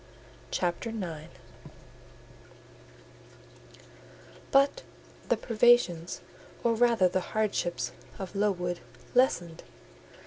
CHAPTER IX But the privations, or rather the hardships, of Lowood lessened.